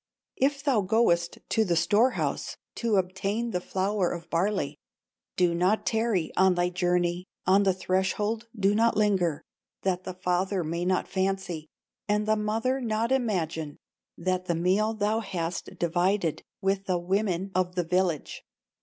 "If thou goest to the store house To obtain the flour of barley, Do not tarry on thy journey, On the threshold do not linger, That the father may not fancy, And the mother not imagine, That the meal thou hast divided With the women of the village.